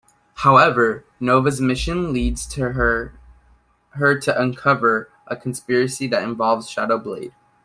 However, Nova's mission leads her to uncover a conspiracy that involves Shadow Blade.